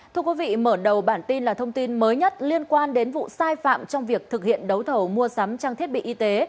thưa quý vị mở đầu bản tin là thông tin mới nhất liên quan đến vụ sai phạm trong việc thực hiện đấu thầu mua sắm trang thiết bị y tế